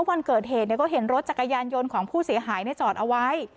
วันเกิดเหตุก็เห็นรถจักรยานยนต์ของผู้เสียหายจอดเอาไว้